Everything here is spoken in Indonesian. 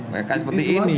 mereka seperti ini